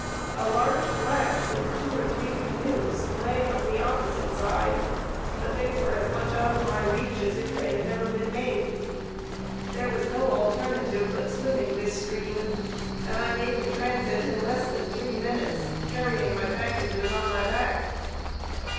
A large flat, with two or three canoes, lay on the opposite side, but they were as much out of my reach as if they had never been made. There was no alternative but swimming this stream, and I made the transit in less than three minutes, carrying my packages on my back.